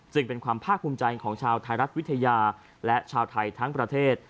ซึ่งเป็นความภาคภูมิใจของชาวไทยรัฐวิทยาและชาวไทยทั้งประเทศ